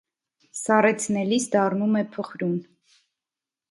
Սառեցնելիս դառնում է փխրուն։